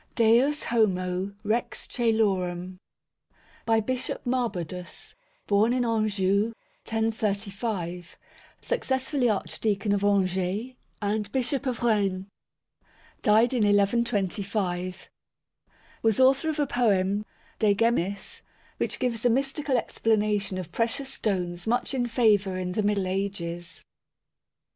DEUS HOMO, REX CŒLORUM By Bishop Marbodus. Born in Anjou, 1035; successively Archdeacon of Angers and Bishop of Rennes; died in 1125. Was author of a poem De Gemmis, which gives a mystical explanation of precious stones much in favour in the Middle Ages.